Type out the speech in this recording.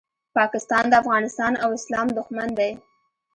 پاکستان د افغانستان او اسلام دوښمن دی